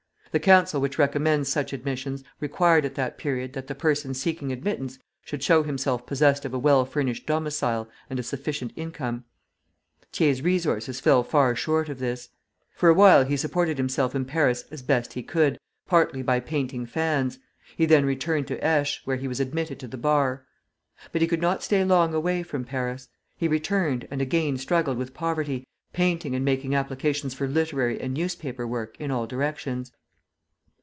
The council which recommends such admissions required at that period that the person seeking admittance should show himself possessed of a well furnished domicile and a sufficient income. Thiers' resources fell far short of this. For a while he supported himself in Paris as best he could, partly by painting fans; he then returned to Aix, where he was admitted to the Bar. But he could not stay long away from Paris. He returned, and again struggled with poverty, painting and making applications for literary and newspaper work in all directions.